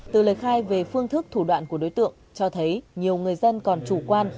từ lời khai về phương thức thủ đoạn của đối tượng cho thấy nhiều người dân còn chủ quan